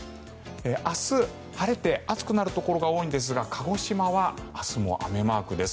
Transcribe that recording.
明日、晴れて暑くなるところが多いんですが鹿児島は明日も雨マークです。